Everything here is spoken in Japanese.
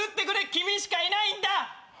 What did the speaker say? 君しかいないんだ！